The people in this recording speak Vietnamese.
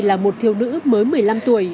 là một thiếu nữ mới một mươi năm tuổi